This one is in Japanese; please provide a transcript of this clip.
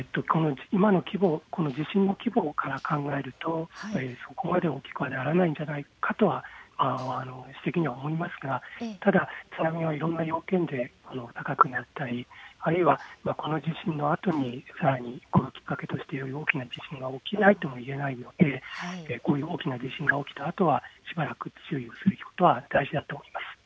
今の規模、地震の規模から考えるとそこまで大きくはならないんじゃないかと私的には思いますが、ただ津波はいろんな要件で高くなったり、あるいはこの地震のあとにさらにこれをきっかけとして、より大きな地震が起きないとも言えないのでこういう大きな地震が起きたあとは、しばらく注意をすることは大事だと思います。